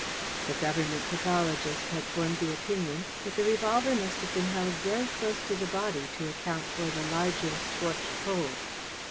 The Government pathologist had formed the opinion that the revolver must have been held very close to the body to account for the larger scorched hole.